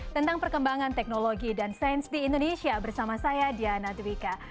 tentang perkembangan teknologi dan sains di indonesia bersama saya diana dwika